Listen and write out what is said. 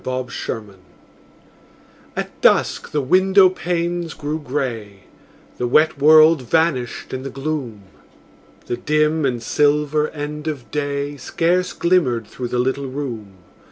FORGIVENESS At dusk the window panes grew grey; The wet world vanished in the gloom; The dim and silver end of day Scarce glimmered through the little room.